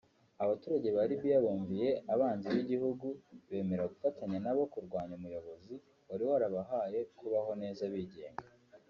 Abaturage ba Libiya bumviye abanzi b’igihugu bemera gufatanya nabo kurwanya umuyobozi wari warabahaye kubaho neza bigenga